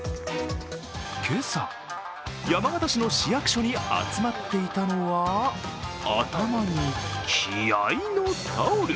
今朝、山形市の市役所に集まっていたのは頭に、気合いのタオル！